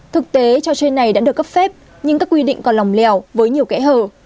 thực tế trò chơi này đã được cấp phép nhưng các quy định còn lòng lèo với nhiều kẽ hở